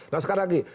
nah sekarang lagi